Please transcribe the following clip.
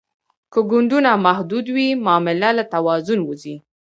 که ګوندونه محدود وي معامله له توازن وځي